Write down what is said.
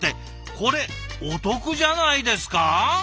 これお得じゃないですか？